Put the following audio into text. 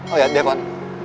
oh ya dekon